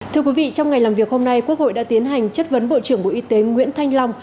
thưa quý vị trong ngày làm việc hôm nay quốc hội đã tiến hành chất vấn bộ trưởng bộ y tế nguyễn thanh long